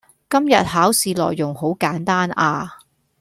今日考試內容好簡單呀